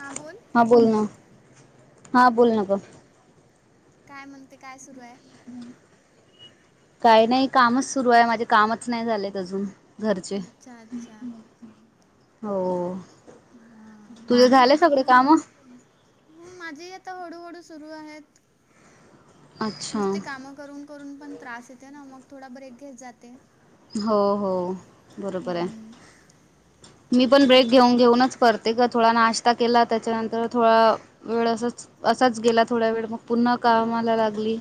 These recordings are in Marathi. हां बोल हा बोल ना, हा बोल ना ग. काय म्हणते, काय सुरू आहे? काही नाही कामच सुरू आहे, माझे कामच नाही झालेत अजून घरचे, अच्छा अच्छा हो हां काय तुझे म्हणते झालंय तू सगडी काम? हो, माझेही आता हडूहडू सुरू आहेत. अच्छा नुसते कामं करून करून पण त्रास येते ना, मग थोडा ब्रेक घेत जाते. हो हो बरोबर आहे, हम्म. मी पण ब्रेक आणखी घेऊन घेऊनच परते का थोडा नाश्ता केला त्याच्यानंतर थोडा, वेळ असच असाच गेला थोडा वेळ मग पुन्हा हां कामाला हां लागली,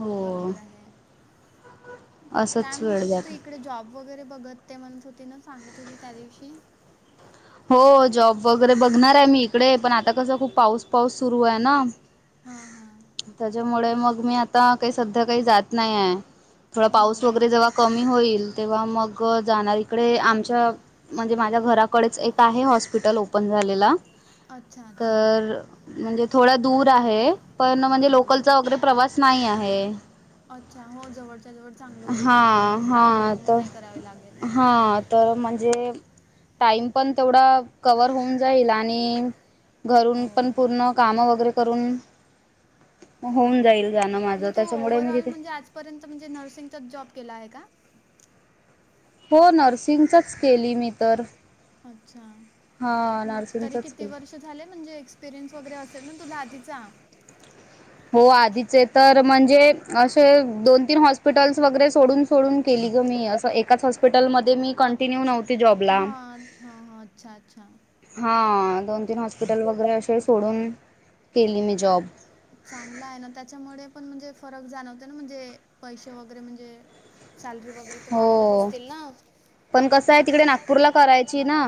हो. बरोबर आहे असत काय म्हणत होती तू इकडे जॉब वगैरे बघत ते, म्हणत होती ना सांगत होती त्या दिवशी हो जॉब वगैरे बघणार आहे मी इकडे पण आता कसं खूप पाऊस पाऊस सुरू आहे ना हा हा त्याच्यामुळे मग मी आता काही सध्या काही जात नाही आहे, थोडा हो पाऊस का वगैरे जेव्हा कमी होईल तेव्हा मग जाणार, इकडे आमच्या म्हणजे माझ्या घराकडेच एक आहे हॉस्पिटल ओपन झालेला, अच्छा अच्छा तर अ म्हणजे थोडा दूर आहे, पण म्हणजे हां लोकलचा वगैरे प्रवास नाही आहे. अच्छा, हो जवडच्या जवड चांगलं होईल हा तुला म्हणजे ट्रॅव्हलिंग नाही करावे लागेल. हां तर म्हणजे टाईम पण तेवढा कवर होऊन जाईल आणि हो घरून पण पूर्ण काम वगैरे करून हो होऊन जाईल झाल माझं त्याच्यामुळे मी तिथे पर्यंत म्हणजे नर्सिंगचाच जॉब केला आहे का? हो ना नर्सिंगचाच केली मी तर अच्छा, हा म्हणजे तरी नर्सिंगचच किती केली. वर्ष? झाले म्हणजे एक्सपिरियन्स वगैरे असेल ना तुला आधीचा हो आधीचे तर म्हणजे असे दोन तीन हॉस्पिटल्स वगैरे सोडून सोडून केली ग मी अस एकाच हॉस्पिटलमध्ये मी कट कंटिन्यू नव्हती जॉब हां हां ह अच्छा अच्छा हा दोन तीन हॉस्पिटल वगैरे असे सोडून केली मी जॉब चांगला आहे ना त्याच्यामुळे पण म्हणजे फरक जाणवते ना म्हणजे पैसे वगैरे म्हणजे सॅलरी वगैरे ते वाढवत हो असतील ना पण कसं आहे तिकडे नागपूरला करायची ना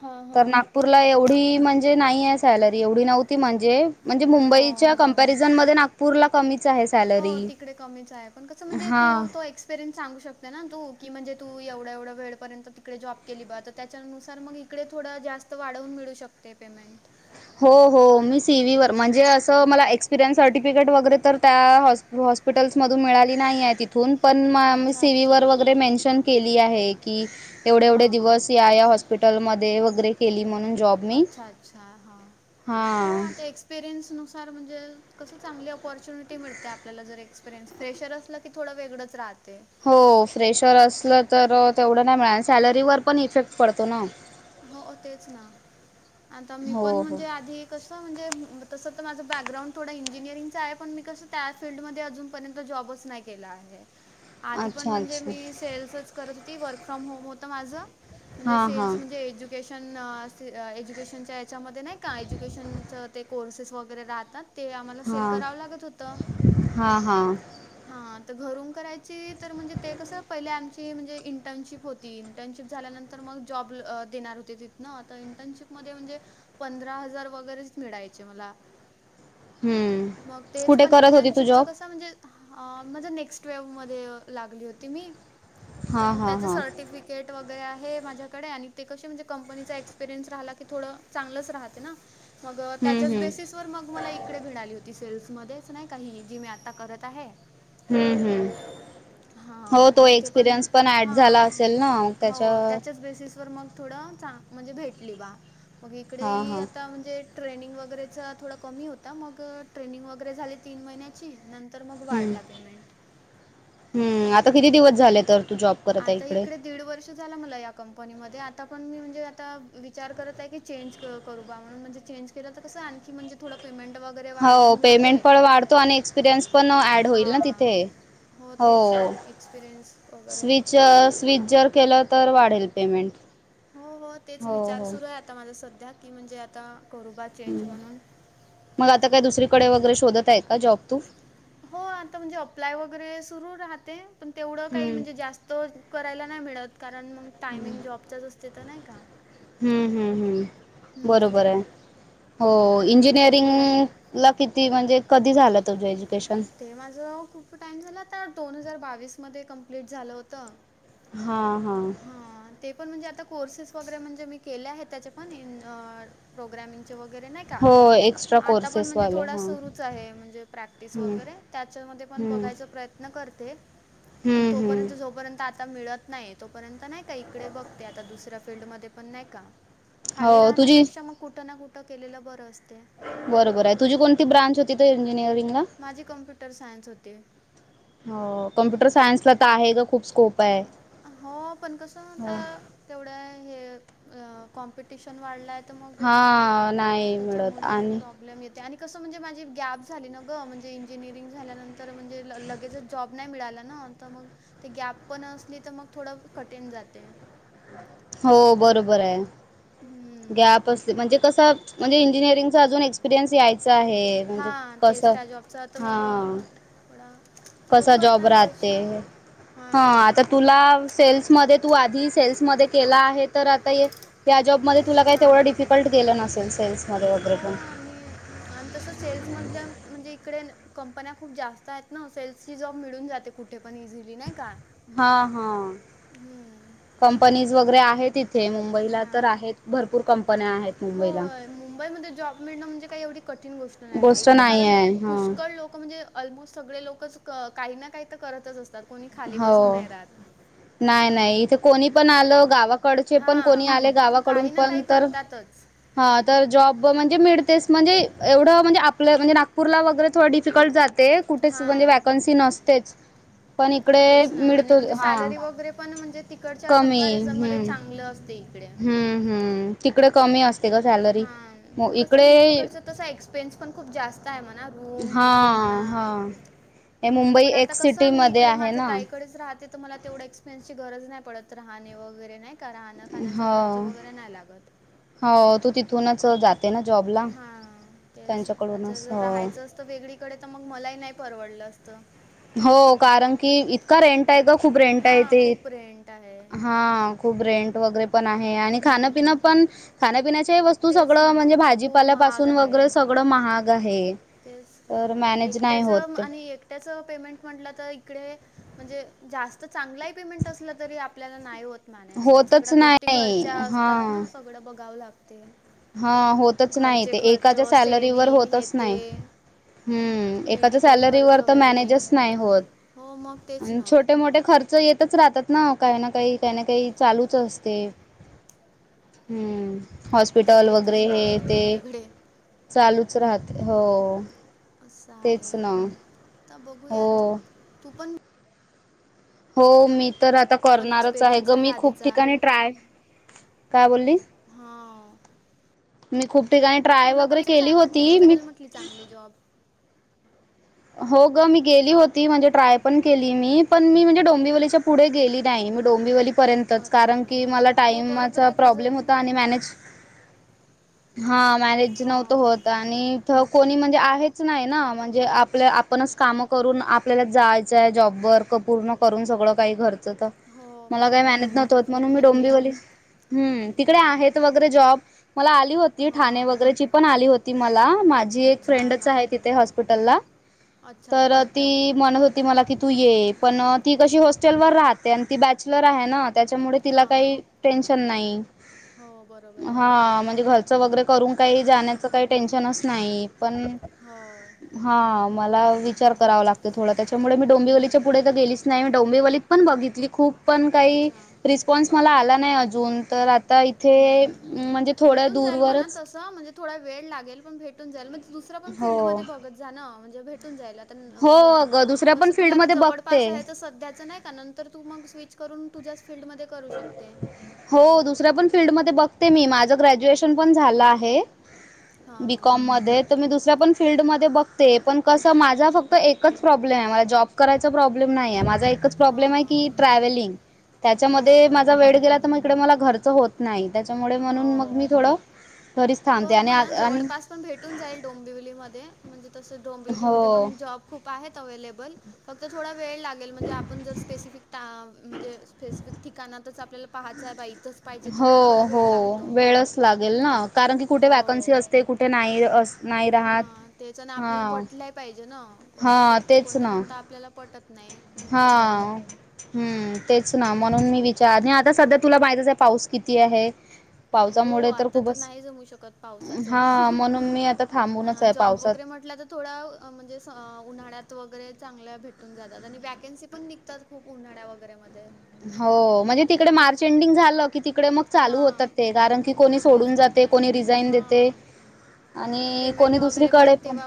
हां तर हां नागपूरला एवढी म्हणजे म्हणजे नाही आहे सॅलरी एवढी नव्हती म्हणजे म्हणजे हो मुंबईच्या हो कंपॅरिझनमध्ये नागपूर ला कमीच आहे सॅलरी हो तिकडे कमीच आहे. कसं म्हणजे तू हा तो पेरंटस सांगू शकते ना तू की म्हणजे तू एवढं एवढ वेळपर्यंत तिकडे जॉब केली बा त्याच्यानुसार मग इकडे थोडं जास्त वाढवून मिळू शकते पेमेंट हो, हो मी सीव्हीवर म्हणजे असं मला एक्सपिरियन्स सर्टिफिकेट वगैरे तर त्या हॉस हॉस्पिटल्स मधून मिळाली नाही आहे तिथ तथून पण अच्छा, सीवीवर अच्छा. वगैरे मेन्शन केली आहे की एवढे एवढे हां, हां. दिवस या या हॉस्पिटलमध्ये वगैरे केली म्हणून जॉब मी. अच्छा अच्छा हा हो हां. आता एक्स एक्सपिरिनस नुसार म्हणजे कस चांगली अप्याचीनिटी मिळते आपल्याला जर एक्परियन्स फेशर असल की थोडं वेगळंच राहते हो फ्रेशर असलं तर तेवढं नाही मिळत सॅलरीवर पण इफेक्ट पडतो ना हो तेच ना आता मी पण हो, हो. म्हणजे आधी कसं म्हणजे तसं तर माझं बॅकग्राउंड थोडा इंजिनिअरिंगचा आहे पण मी कसं त्या फीलडमध्ये अजून पर्यंत जॉबच नाही केला आहे. [unintelligible] आधी पण म्हणजे अच्छा. मी सेल्सच करत होती वर्क फ्रॉम होम होतं माझं म्हणजे हां, सेल्स हां. ते एज्युकेशन से एज्युकेशनच्या याच्यामध्ये नाही का एज्युकेशनचं ते कोर्सेस वगैरे राहतात ते आम्हाला सेल हां. करावं लागत होतं- हां, हां. हा तर घरून करायची तर म्हणजे ते कस पहिले आमची म्हणजे इंटर्नशिप होती. ती इंटर्नशिप झाल्यानंतर मग जॉब देणार होती तिथनं इंटर्नशिपमध्ये म्हणजे पंधरा हजार वगैरेच मिळायचे मला हं. मग तेच कुठे पण करत होती तू इंटर्नशिपच जॉब? कस म्हणजे माझ्या नेक्स्ट वेव मध्ये लागली होती मी तर हां, मग हां, त्याच्या हां. सर्टिफिकेट केट वगैरे आहे माझ्या ते कसं कंपनीचा एक्सपीरियन्स राहिला की थोडं चांगलंच राहते ना मग हं, त्याच्याच हं. बेसिस तर मग, मला इकडे मिळाली होती, सेल्स मध्येच, नाही का, ही जी मी आता, करत आहे. हम्म हम्म. हां हो, मग तो इथे एक्सपिरियन्स पण ऍड झाला असेल ना, त्याच्या तीस वर मंग थोडं, चां म्हणजे भेटली बा, मग इकडे हां ये हां आता, म्हणजे ट्रेनिंग वगैरेचा थोडा कमी होता, मग ट्रेनिंग वगैरे झाली, तीन महिन्याची. नंतर, मग हम्म. वाढला पेमेंट. हम्म, आता किती दिवस झाले, तर तू जॉब करत आहे आता इकडे, दीड वर्ष झाला, मला या कंपनीमध्ये, आता पण मी, म्हणजे आता विचार करत ये की, चेंज क-करू बा, म्हणून म्हणजे चेंज केलंत कसं आणखी, म्हणजे थोडं पेमेंट वग हो पेमेन्ट पण वाढतो, आणि एक्सपिरियन्स पण ऍड होईल ना हां तिथे, हो, तेच एक्सपिरियन्स वगैरे स्विच ज स्वीज जर केलं, तर वाढेल पेमेंट. हो हो तेच विचार सुरू आहे, आता माझा सध्या, की म्हणजे आता करुबा मग आता काय दुसरीकडे वगैरे, शोधत आहे का, जॉब तू? हो, आता म्हणजे अप्लाय वगैरे, सुरू राहते, पण तेवढ काही हम्म म्हणजे, जास् तो करायला नाही मिळत, कारण मंग टायमिंग जॉबचाच, असते तर नाही का? ह्म ह्म ह्म, हम्म. बरोबर ये, हो आता इंजिनिअरिंग बघूयात ला किती, म्हणजे कधी झालं, तुज्या ज्य ते माझं, खूप टाइम झाला आता, दोन हजार बावीस मध्ये, कंप्लीट झालं होतं. हां हां हं. ते पण, म्हणजे आता कोर्सेस वगैरे, म्हणजे मी केले आहेत, त्याचे पण इन प्रोग्रॅमिंग चे वैगेरे नही का, हो एक्स्ट्रा आता पण म्हणजे कोर्सेसवाले थोडा हां सुरूच आहे, म्हणजे [inaudible] [inaudible] हम्म वैगेरे त्याच्यामध्ये पण, हम्म बघायचाय प्रयत्न करते, पण हम्म हम्म तोपर्यंत-जोपर्यंत ता मिळत नही, तोपर्यंत नाही का, इकड बघते आता, दुसऱ्या फील्डमध्ये, पण नाही का खाली हो तुझी राहण्यापेक्षा, मग कुठं ना, कुठं केलेलं, बरं असते. बरोबर य, तुझी कोणती ब्रांच होती, ते इंजिनिअरिंगला? माझी, कम्प्युटर सायन्स होती. हो कम्प्युटर सायन्सला, त आहे गं, खूप स्कोप. आहे हो पण कसं, त हो तेवढ्या हे अ कॉम्पिट ट्यिशन वाढलाय त मग, हां नाही मिळत त्याच्यामुळे आणि प्रॉब्लेम येत ते आणि कसं, म्हणजे माझी गॅप झाली ना गं, म्हणजे इंजिनिअरिंग झाल्यानंतर, म्हणजे ल-लगेच जॉब नही मिळाला ना, त मग, ते गॅप पण असली त मग, थोडं कठीण जाते. हो, बरोबर ये. ह्म. गॅप असते, म्हणजे कस, म्हणजे इंजिनिअरिंगचा, अजून एक्सपिरियन्स याय च आहे, म्हणजे हां कस, तेच त्या जॉबचं आता मग हां. थोडा कसा बघू जॉब आता राहते, तसं हं हां आता तुला सेल्समध्ये, तू आधी सेल्समध्ये केला आहे, तर आता ये, या जॉबमध्ये काय तेवढं हां डिफिकल्ट गेलं नसेल, सेल्समध्ये वगैरे पण. आन तसं सेल्स मधल्या, म्हणजे इकडे कंपन्या खूप जास्त आहेत ना, सेल्सची जॉब मिळून जाते, कु ठे पण ईझिली, नही का? हां हां, हम्म. कंपनीज वैगेरे आहे, तीत हां, आहेत हो मुंबईला मुंबईमध्ये जॉब मिळणं, म्हणजे काही एवढी कठीण गोष् नाय, गोष्ट इकडे नाही कारण, आहे पुष्कळ लोक लोक म्हणजे ऑलमोस्ट सगळे लोक च काइ ना काइ त करतच असतात कोणी खाली बसून नाई रातं. नाय नाय इत कोणी पण आलं गावात कडचे पण हां कोणी आले गावाकडून काही ना पण काही तर करतातच हा तर जॉब म्हणजे मिडतेस म्हणजे एवढं म्हणजे आपलं म्हणजे नागपूरला वगैरे थोड डी डिफिकल्ट जाते कुठेच म्हणजे हां वॅकन्सी नसतेच पण इकडे तेच ना आणि मिळतो म्हणजे हा सॅलरी वगैरे पण म्हणजे तिकडच्या कंम्पॅरिझन मध्ये चांगलं असते. इकडे हंम हंम तिकड कमी असतं. हा पण कसं म्हणजे इकडचा तसं एक्सपेन्स पण खूप जास्ताय म्हणा रुम हा हे ते म्हणा हा हे हं मुंबई पण आता एक कस मी सिटीमध्ये इकडे आहे माझ्या ना ताईकडेच राहते. मला तेवढं एक्स्पिन्स गरज नाय पडत राहणे वगैरे नाइ का राहणं खाण्याचा खर्च हो वगैरे नाय लागत. हो तू तिथूनच जाते. तेना जॉबला हा तेच आता त्यांच्याकडूनच जर हो राहायचं असतं. वेगळीकडे तर मग मलाई नाई परवडलं असतं. हो कारण की इतका रेंटाय ग खूप रेंटाय हां, इथे खूप रेंट आहे. हा खूप रेंट वगैरे पण आहे आणि हं, खाणंपिणं पण खाण्यापिण्याच्या वस्तू तेच सगळं ना, म्हणजे खूप महाग भाजीपाल्यापासून वगैरे आहे. सगळं महाग आहे. तर तेच मॅनेज नाही होत एकट्याचं म ते आणि एकट्याचं पेमेंट म्हटलं तर इकडे म्हणजे जास्त चांगलाही पेमेंट असलं तरी आपल्याला नाई होत. [inaudible] होतच सगळ्या गोष्टी नाही घरच्या हा असतात. सगळं बघावं लागते हा होतच नाही घरचे ते खर्च एकाच्या सॅलरीवर सेव्हिंग हे होतच ते नाही हम्म एकाच्या मेडिकल खर्च सॅलरीवर तर वेगळे मॅनेज नाय होत हो मग तेच ना छोटे मोठे खर्च येतच राहतात ना काइ ना काइ काइ ना काइ चालूच असतेय हम्म खर्च हॉस्पिटल येतच वगैरे हे राहतात ते वेगवेगळे चालूच राहते हो असं आहे तेच ना तर हो बगुयात तू पण हो मी तर आता पण करणारच आहे एक्सपिरियन्स ग मी खूप आधीचा ठिकाणी ट्राय काय बोलली हा मी खूप ठिकाणी ट्राय वगैरे केली होती मी ली चांगली जॉब हो ग मी गेली होती म्हणजे ट्राय पण केली मी पण मी म्हणजे डोंबिवलीच्या पुढे गेली नाय म डोंबिवली र्यतच अच्छा, कारण की मला हां. हो, टाइमा बरोबर चा आहे तुझे प्रॉब्लेम होता म्हणजे आणि मॅनेज हा मॅनेज नावत हां. होत आणि इथ कोणी म्हणजे आहेच नाइ ना म्हणजे आपल्या आपणच कामं करून आपल्याला जायचाय जॉब वर्क पूर्ण करून सगळं काई घरचं तर हो, मला काय बरोबर मॅनेज आहे. नवत होत टिफिन म्हणून मी हे ते. डोंबीवली हम्म तिकडे आहेत वगैरे जॉब मला आली होती ठाणे हां. वगैरेची पण आली होती मला माझी एक अच्छा, फ्रेंडच आहे हां. तिथे हॉस्पिटलला अच्छा, तर अच्छा. ती म्हणत होती मला की तू ये पण ती कशी हॉस्टेल वर राहते आणि ती बॅच चलर आहेना त्यामुळे तिला हां, काई हां. टेन्शन नाइ हो, बरोबर आहे. हा म्हणज घ च वगैरे करून काइ हं, जाण्याच हं. काय टेन्शनच नाइ पण हो हा मला विचार करावा लागत थोडा तेच्यामुळे मी हं, डोंबिवलीच्या पुडे हं. तर गेली नाइ मी डोंबीवलीत पण बघितली खूप पण काही अच्छा. रिस्पॉन्स मला आला नाय अजून तर आता इथे हं, हं. म्हणजे थोड्या भेटून जाईल म्हणा दूरवरच म्हणजे थोडा वेळ लागेल पण भेटून जाईल म्हणजे दुसरा पण हो फीलडमध्ये बघत जाण म्हणजे भेटून जायला. हो म्हणजे अगं दुसऱ्या कस पण तुला आ फील्डमध्ये जवळपास बघते आहेच सध्याच नाही का नंतर तर तू मग स्विच करून तुझ्याच फीलल्डमध्ये हो दुसऱ्या पण फीलड म बघते मी माझ ग्रॅज्युएशन पण झालं आहे. हां हां बिकॉममध्ये. तर मी दुसऱ्या पण फीलल्डमध्ये बघते,. पण कसं माझा फक्त एकच प्रॉब्लेम आहे मला जॉब. करायचा प्रॉब्लेम नाहीे माझा एकच प्रॉब्लेम आहे हां की ट्रॅव्हलिंग. हो त्याच्यामध्ये माझा बरोबर वेळ गेला आहे. तर मग इकडे मला घरचं होत नाही त्याच्यामुळे म्हणून मग मी थोडं. घरीच थांबते बग आणि आ बना आणि जवळपास. पण भेटून जाईल डोंबिवलीमध्येध्ये म्हणजे तसं हो डोंबिवलीमध्येध्ये पण जॉब खूप आहेत अव्हेलेबल. फक्त थोडा वेळ लागेल म्हणजे आपण जर स्पेसिफिक म्हणजे पेसिफिक ठिकाणातच आपल्याला पाहायचं आहे बा इथच. हो हो वेळच लागेल ना कारण की कुठे वॅकन्सी असते कुठे नाही अस. नाही हा राहत ते च ना आपल्याला हां पटलंय पाहिजे ना कसं को हां तेच कोणत ना कोणताआपल्याला पटत. नाही भेटलं तरी. हा.... हम्म तेच ना म्हणून मी विचार आणि आता सध्या तुला माहितीच आहे पाऊस किती आहे. हो पावसामुळे आता तर खूपच नाही जमू शकत पावसाच, हा म्हणून मी आता थांबूनच ह आहे जॉब पावसात वगैरे म्हटलं तर. थोडा म्हणजे स उन्हाळ्यात वगैरे चांगल्या भेटून जातात आणि वॅकेन्सी पण निघतात. खूप उन्हाळ्या वगैरे मध्ये. हो, म्हणजे तिकडे मार्च एंडिंग झालं. की तिकडे मग चालू होतात हां. ते कारण की हो, कोणी तेच सोडून जाते कोणी कंपन्यांमध्ये. रडिझाईन देते. हां. आणि कोणी दुसरीकडे पण.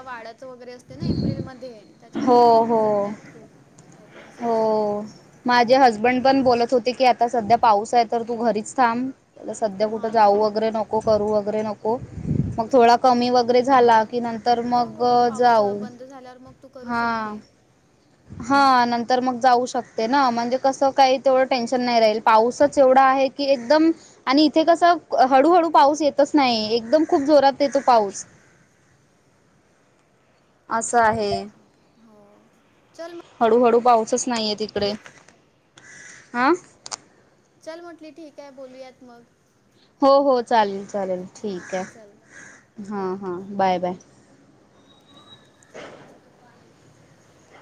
ते ना एप्रिलमध्ये त्याच्यामुंळ हो मग हो भेटतात खूप वॅकन्सीज. हो... माझे हसबंड पण बोलत होते की आता सध्या पाऊस आहे तर तू घरीच थांब. आता सध्या कुठं हां, जाऊ हां, हां. वगैरे नको करू वगैरे नको. मग हां, थोडा कमी वगैरे झाला हां. की नंतर हो, मग हो. पाऊस अ, जाऊ. बंद झाल्यावर मग. तू करू हा शकते. हा नंतर मग जाऊ शकते ना म्हणजे कसं काही तेवढं टेन्शन नाही राहील पाऊसच एवढा आहे. कि एकदम आणि इथे कसं हळूहळू पाऊस येतच नाही एकदम खूप जोरात येतो पाऊस. असं अच्छा. आहे हो. चल मग हळूहळू पाऊसच. नाही येत इकडे बोलूया. हा. चल म्हटली ठीक आहे बोलूयात मग. हो हो चालेल चालेल ठीक हां चल हां बाय हां बाय. काप्य प्रणजी [inaudible]